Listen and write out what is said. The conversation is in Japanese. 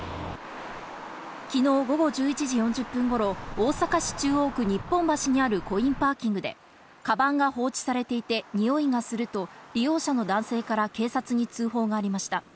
昨日午後１１時４０分頃、大阪市中央区日本橋にあるコインパーキングで、カバンが放置されていて臭いがすると利用者の男性から警察に通報がありました。